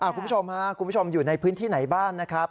คุณผู้ชมค่ะคุณผู้ชมอยู่ในพื้นที่ไหนบ้างนะครับ